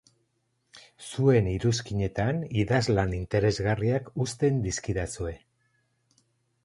Zuen iruzkinetan idazlan interesgarriak uzten dizkidazue.